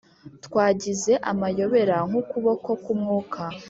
twagize amayobera nk'ukuboko k'umwuka